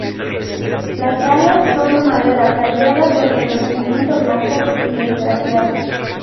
Las alas son de madera tallada con revestimiento blanco y esgrafiado.